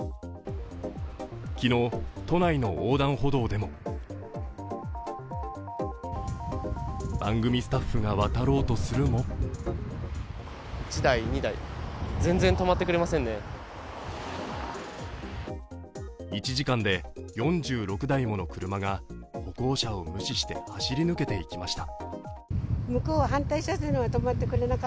昨日、都内の横断歩道でも番組スタッフが渡ろうとするも１時間で４６台もの車が歩行者を無視して走り抜けていきました。